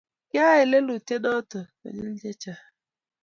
kiayay lelutiet neu notok konyil chechang